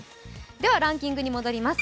ではランキングに戻ります。